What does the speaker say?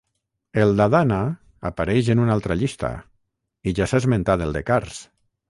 El d'Adana apareix en una altra llista i ja s'ha esmentat el de Kars.